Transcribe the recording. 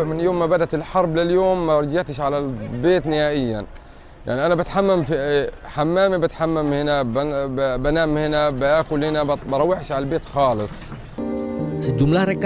sejumlah rekan relawan medis yang bergabung di unit pertolongan